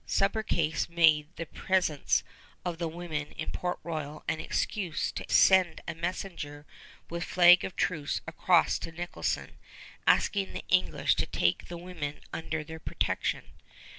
Subercase made the presence of the women in Port Royal an excuse to send a messenger with flag of truce across to Nicholson, asking the English to take the women under their protection.